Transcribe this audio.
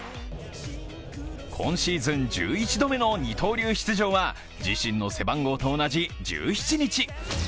今シーズン１１度目の二刀流出場は自身の背番号と同じ１７日。